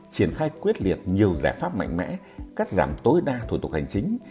triển khai quyết liệt nhiều giải pháp mạnh mẽ cắt giảm tối đa thủ tục hành chính